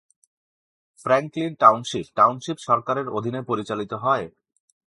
Franklin township township সরকারের অধীনে পরিচালিত হয়।